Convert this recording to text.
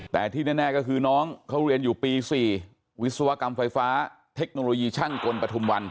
แต่ที่แน่ก็คือน้องเขาเรียนอยู่ปี๔วิศวกรรมไฟฟ้าเทคโนโลยีช่างกลปฐุมวัน